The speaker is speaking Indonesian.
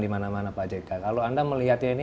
dimana mana pak jk kalau anda melihatnya ini